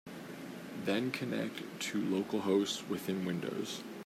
Then connect to localhost within Windows.